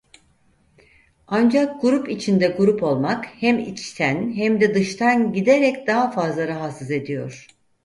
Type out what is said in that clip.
Ancak grup içinde grup olmak hem içten hem de dıştan giderek daha fazla rahatsız ediyor.